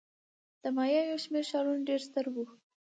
د مایا یو شمېر ښارونه ډېر ستر وو.